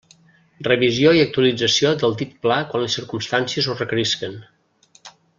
Revisió i actualització del dit pla quan les circumstàncies ho requerisquen.